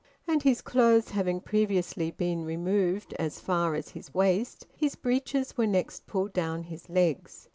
And, his clothes having previously been removed as far as his waist, his breeches were next pulled down his legs.